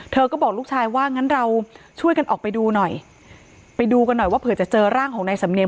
เธอก็บอกลูกชายว่างั้นเราช่วยกันออกไปดูหน่อยไปดูกันหน่อยว่าเผื่อจะเจอร่างของนายสำเนีย